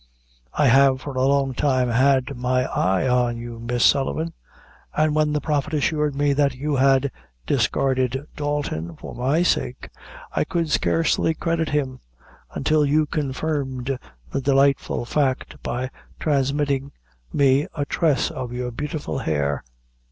I have, for a long time, had my eye on you, Miss Sullivan, an' when the Prophet assured me that you had discarded Dalton for my sake, I could scarcely credit him, until you confirmed the delightful fact, by transmitting me a tress of your beautiful hair."